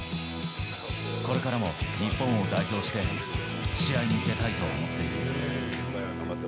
これからも日本を代表して試合に出たいと思っている。